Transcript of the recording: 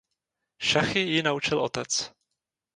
Šachy ji naučil otec.